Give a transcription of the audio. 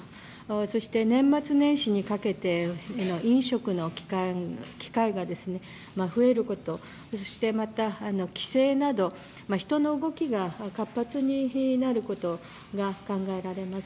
そして年末年始にかけての飲食の機会が増えることそして、帰省など人の動きが活発になることが考えられます。